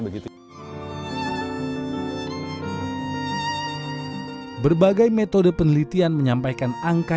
berbagai metode penelitian menyampaikan angka